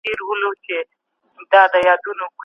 حکومت د ګډو اقتصادي ګټو پر وړاندي مخالفت نه ښیي.